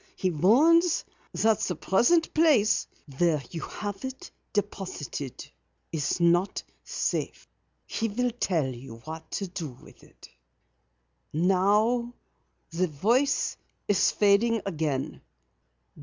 He warns you that the present place where you have it deposited is not safe. He will tell you what to do with it. Now the voice is fading again.